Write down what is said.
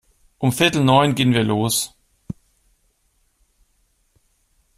Um viertel neun gehen wir los.